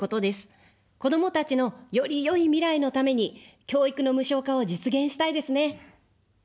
子どもたちのよりよい未来のために、教育の無償化を実現したいですね。